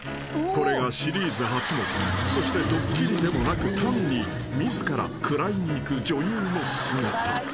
これがシリーズ初のそしてドッキリでもなく単に自ら食らいにいく女優の姿］